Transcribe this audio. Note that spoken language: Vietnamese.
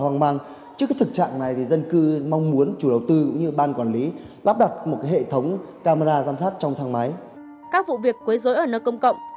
các vụ việc quấy rối ở nơi công cộng